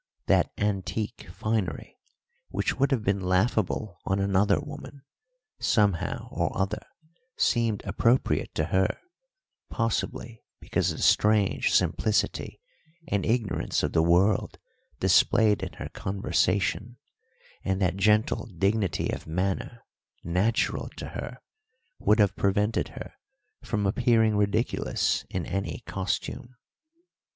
That antique finery, which would have been laughable on another woman, somehow or other seemed appropriate to her; possibly because the strange simplicity and ignorance of the world displayed in her conversation, and that gentle dignity of manner natural to her, would have prevented her from appearing ridiculous in any costume.